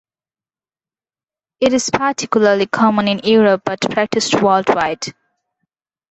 It is particularly common in Europe but practiced worldwide.